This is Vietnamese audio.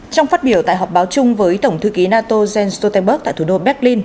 trong phát biểu tại họp báo chung với tổng thư ký nato jens stoltenberg tại thủ đô berlin